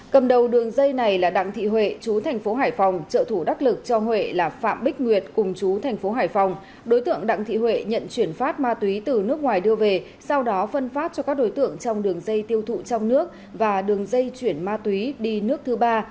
cầm đầu đường dây này là đặng thị huệ chú thành phố hải phòng trợ thủ đắc lực cho huệ là phạm bích nguyệt cùng chú thành phố hải phòng đối tượng đặng thị huệ nhận chuyển phát ma túy từ nước ngoài đưa về sau đó phân phát cho các đối tượng trong đường dây tiêu thụ trong nước và đường dây chuyển ma túy đi nước thứ ba